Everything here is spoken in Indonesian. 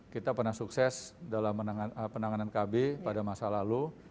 kita pernah sukses dalam penanganan kb pada masa lalu